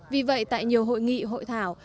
vì vậy tại nhiều hội nghị hội thảo